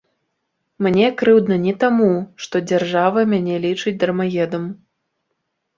Мне крыўдна не таму, што дзяржава мяне лічыць дармаедам.